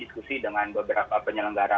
diskusi dengan beberapa penyelenggara